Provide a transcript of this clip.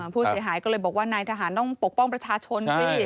ผู้เสียหายก็เลยบอกว่านายทหารต้องปกป้องประชาชนสิ